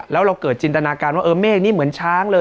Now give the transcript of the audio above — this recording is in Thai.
แล้วเราเกิดจินตนาการว่าเออเมฆนี่เหมือนช้างเลย